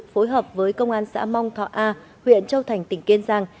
phối hợp với công an xã mong thọ a huyện châu thành tỉnh kiên giang